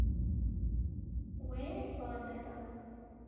Wê ba neda.